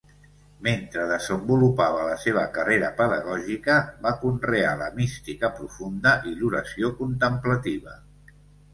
Mentre desenvolupava la seva carrera pedagògica, va conrear la mística profunda i l'oració contemplativa.